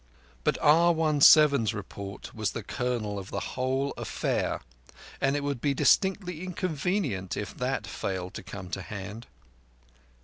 But R17's report was the kernel of the whole affair, and it would be distinctly inconvenient if that failed to come to hand.